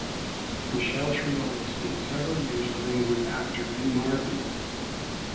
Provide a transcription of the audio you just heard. Michelle Triola spent several years living with actor Lee Marvin.